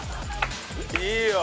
いいよ！